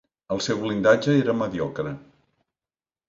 El seu blindatge era mediocre.